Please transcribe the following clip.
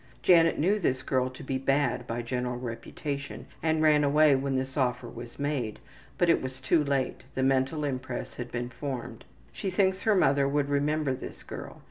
Janet knew this girl to be bad by general reputation, and ran away when this offer was made, but it was too late the mental impress had been formed. She thinks her mother would remember this girl.